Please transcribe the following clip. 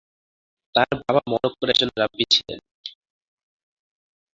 তাঁর বাবা মরক্কোর একজন রাব্বি ছিলেন।